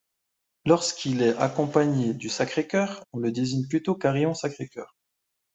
Lorsqu'il est accompagné du Sacré Cœur, on le désigne plutôt Carillon-Sacré-Cœur.